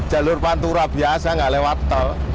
jalur pantura biasa nggak lewat tol